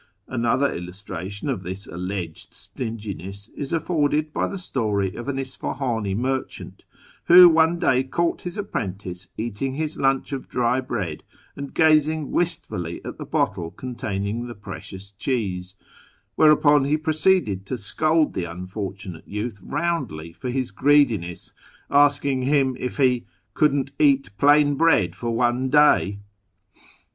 ^ Another illustration of this alleged stinginess is afforded by the story of an Isfahani merchant, who one day caught his apprentice eating his lunch of dry bread and gazing wistfully at the bottle containing the precious cheese ; where upon he proceeded to scold the unfortunate youth roundly for his greediness, asking him if he " couldn't eat plain bread for one day